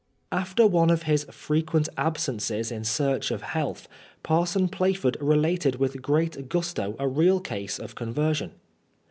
After one of his frequent absences in search of health, Parson Plaf ord related with great gusto a real case of •conversion.